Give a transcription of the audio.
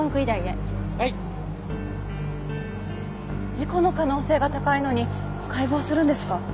事故の可能性が高いのに解剖するんですか？